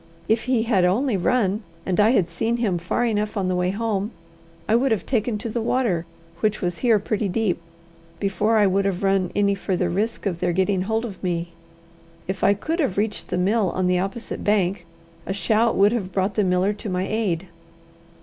If he had only run, and I had seen him far enough on the way home, I would have taken to the water, which was here pretty deep, before I would have run any further risk of their getting hold of me. If I could have reached the mill on the opposite bank, a shout would have brought the miller to my aid.